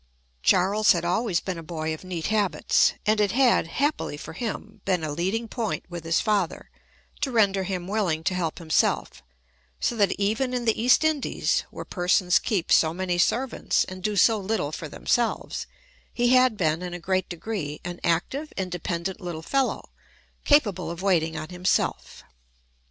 Charles had always been a boy of neat habits, and it had (happily for him) been a leading point with his father, to render him willing to help himself; so that even in the East Indies, where persons keep so many servants, and do so little for themselves, he had been, in a great degree, an active, independent little fellow, capable of waiting on himself.